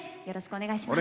お願いします！